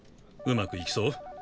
うまくいきそう？